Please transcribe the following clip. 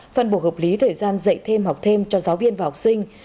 phân bổ hợp lý thời gian dạy thêm học thêm cho giáo viên và học sinh